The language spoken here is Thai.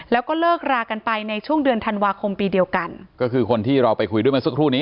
แล้วก็เลิกรากันไปในช่วงเดือนธันวาคมปีเดียวกันก็คือคนที่เราไปคุยด้วยเมื่อสักครู่นี้